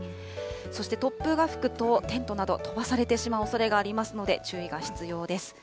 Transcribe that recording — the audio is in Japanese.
そして、突風が吹くと、テントなど飛ばされてしまうおそれがありますので、注意が必要です。